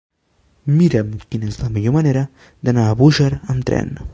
Mira'm quina és la millor manera d'anar a Búger amb tren.